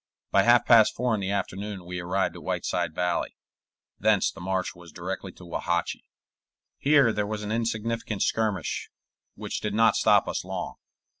By half past four in the afternoon we arrived at Whiteside Valley; thence the march was directly to Wauhatchie. Here there was an insignificant skirmish, which did not stop us long.